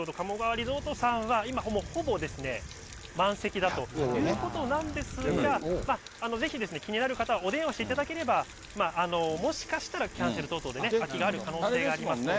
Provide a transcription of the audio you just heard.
リゾートさんは、今ほぼ満席だということなんですが、ぜひですね、気になる方はお電話していただければ、もしかしたらキャンセル等々で空きがある可能性がありますので。